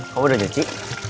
kamu udah nyuci